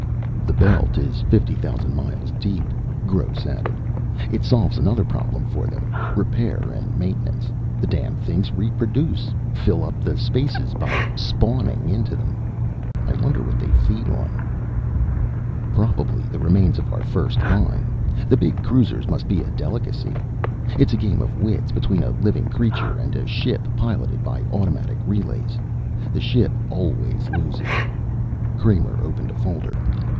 "The belt is fifty thousand miles deep," Gross added. "It solves another problem for them, repair and maintenance. The damn things reproduce, fill up the spaces by spawning into them. I wonder what they feed on?" "Probably the remains of our first line. The big cruisers must be a delicacy. It's a game of wits, between a living creature and a ship piloted by automatic relays. The ship always loses." Kramer opened a folder.